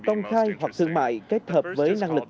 công khai hoặc thương mại kết hợp với năng lực